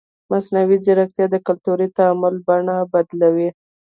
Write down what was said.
مصنوعي ځیرکتیا د کلتوري تعامل بڼه بدلوي.